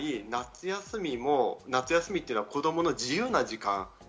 本来、夏休みっていうのは子供の自由な時間。